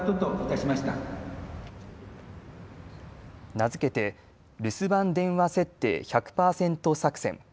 名付けて留守番電話設定１００％作戦。